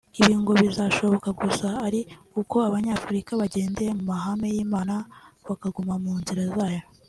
Ibi ngo bizashoboka gusa ari uko abanyafurika bagendeye mu mahame y’Imana bakaguma mu nzira zayo